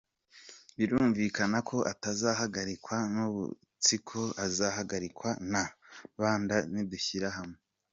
Birumvikana ko atazahagarikwa n’udutsiko azahagarikwa na rubanda nidushyira hamwe.